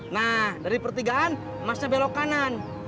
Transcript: nah dari pertigaan masa belok kanan